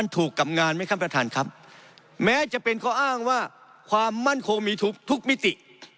ถูกกับงานไหมครับประธานครับแม้จะเป็นข้ออ้างว่าความมั่นคงมีทุกมิติ